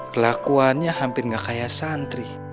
kelakuannya hampir gak kayak santri